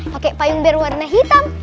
pakai payung berwarna hitam